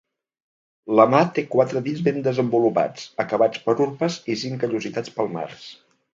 La mà té quatre dits ben desenvolupats, acabats per urpes i cinc callositats palmars.